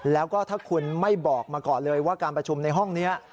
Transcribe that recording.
แล้วก็ถ้าคุณไม่บอกมาก่อนเลยว่าการประชุมในห้องนี้